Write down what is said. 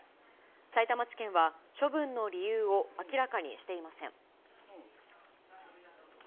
さいたま地検は、処分の理由を明らかにしていません。